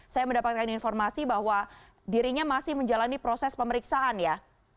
saya mendapatkan informasi bahwa dirinya masih menjalani proses pemeriksaan ya